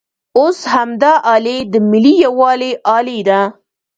اوس همدا الې د ملي یووالي الې ده.